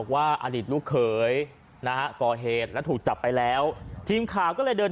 ก็ไปเจออดีตลูกเขยที่ว่านี่อายุ๓๔ปีจำนวตคุมตัวมาโรงพรรค